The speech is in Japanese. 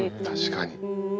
確かに。